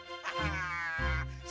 bener waran rambut